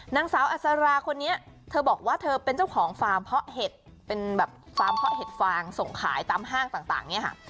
นางสาวอัศราคนนี้เธอบอกว่าเธอเป็นเจ้าของฟาร์มเพาะเห็ดเป็นแบบฟาร์มเพาะเห็ดฟางส่งขายตามห้างต่างเนี่ยค่ะ